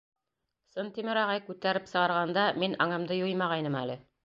Сынтимер ағай күтәреп сығарғанда мин аңымды юймағайным әле.